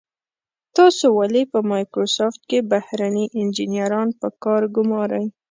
تاسو ولې په مایکروسافټ کې بهرني انجنیران په کار ګمارئ.